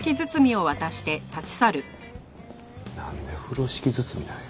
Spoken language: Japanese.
なんで風呂敷包みなんや？